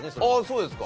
そうです